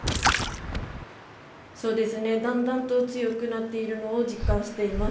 そうですね、だんだんと強くなっているのを実感しています。